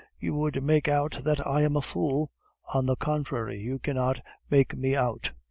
"You would make out that I am a fool." "On the contrary, you cannot make me out."